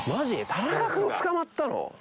田中くん捕まったの？